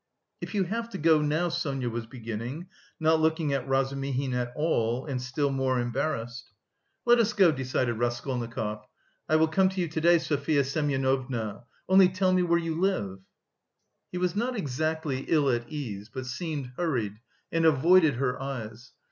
"If you have to go now," Sonia was beginning, not looking at Razumihin at all, and still more embarrassed. "Let us go," decided Raskolnikov. "I will come to you to day, Sofya Semyonovna. Only tell me where you live." He was not exactly ill at ease, but seemed hurried, and avoided her eyes.